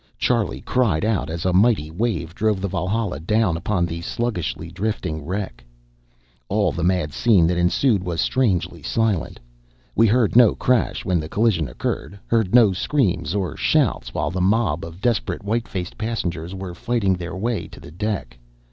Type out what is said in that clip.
Charlie cried out as a mighty wave drove the Valhalla down upon the sluggishly drifting wreck. All the mad scene that ensued was strangely silent. We heard no crash when the collision occurred; heard no screams or shouts while the mob of desperate, white faced passengers were fighting their way to the deck.